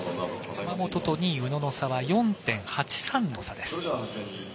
山本と２位、宇野の差は４．８３の差です。